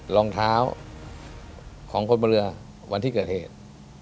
รองเท้าของคนบนเรือวันที่เกิดเหตุ